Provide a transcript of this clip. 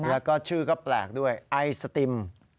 แล้วก็ชื่อก็แปลกด้วยไอศติม